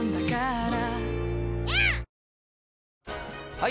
はい。